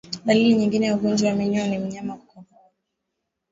Dalili nyingine ya ugonjwa wa minyoo ni mnyama kukohoa